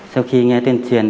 sau khi nghe tuyên truyền